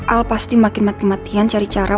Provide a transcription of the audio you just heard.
al pasti makin mati matian cari cara